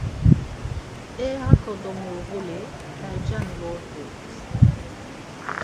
E hako do Murğuli, Ercani vortu ist̆e.